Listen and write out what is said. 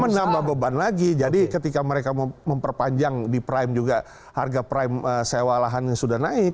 menambah beban lagi jadi ketika mereka memperpanjang di prime juga harga prime sewa lahannya sudah naik